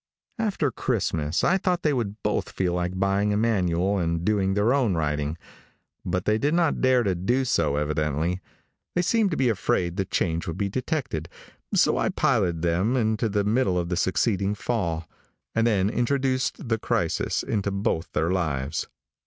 After Christmas I thought they would both feel like buying a manual and doing their own writing, but they did not dare to do so evidently. They seemed to be afraid the change would be detected, so I piloted them into the middle of the succeeding fall, and then introduced the crisis into both their lives.